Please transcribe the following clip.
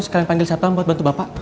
sekalian panggil satuan buat bantu bapak